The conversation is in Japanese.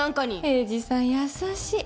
栄治さん優しい